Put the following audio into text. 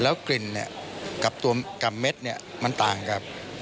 แล้วกลิ่นแกบเม็ดเนี่ยมันต่างกับ